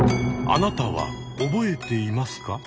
あなたは覚えていますか？